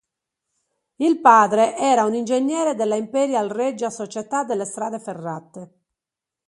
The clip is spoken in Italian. Il padre era un ingegnere della Imperial Regia Società delle strade Ferrate.